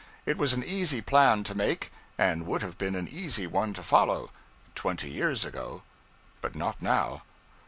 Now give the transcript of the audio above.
It was an easy plan to make, and would have been an easy one to follow, twenty years ago but not now.